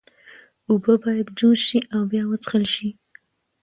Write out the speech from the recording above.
اوبه باید جوش شي او بیا وڅښل شي۔